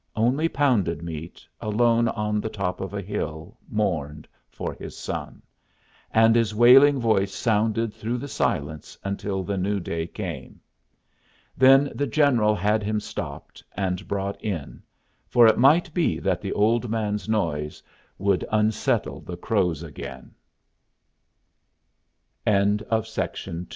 Only Pounded Meat, alone on the top of a hill, mourned for his son; and his wailing voice sounded through the silence until the new day came. Then the general had him stopped and brought in, for it might be that the old man's noise would unsettle the